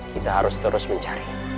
kita harus terus mencari